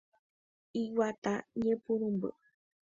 Iguata ñepyrũmby.